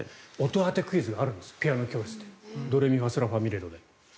音当てクイズがあるんですよ、ピアノ教室でドレミファソラシドで。